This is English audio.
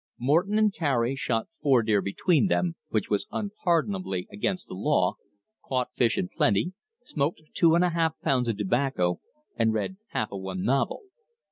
Morton and Cary shot four deer between them, which was unpardonably against the law, caught fish in plenty, smoked two and a half pounds of tobacco, and read half of one novel.